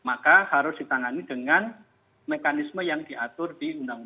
maka harus ditangani dengan mekanisme yang diatur di undang undang